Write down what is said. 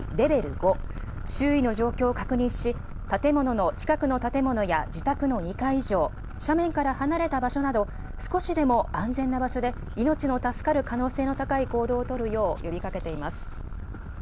５、周囲の状況を確認し、建物の近くの建物や自宅の２階以上、斜面から離れた場所など、少しでも安全な場所で、命の助かる可能性の高い行動を取るよう呼びかけています。